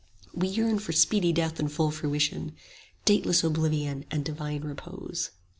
40 We yearn for speedy death in full fruition, Dateless oblivion and divine repose.